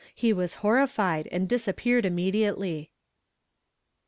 He was horrified, and disappeared immediately.